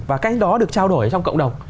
và cách đó được trao đổi trong cộng đồng